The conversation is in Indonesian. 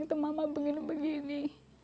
itu mama begini begini